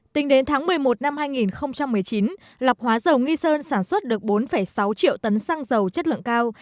tính đến tháng một mươi một năm hai nghìn một mươi chín lọc hóa dầu nghi sơn sản xuất được bốn sáu triệu tấn xăng dầu chất lượng cao